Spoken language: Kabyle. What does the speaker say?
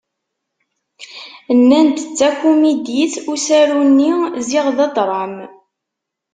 Nnan-d d takumidit usaru-nni ziɣ d adṛam.